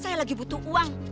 saya lagi butuh uang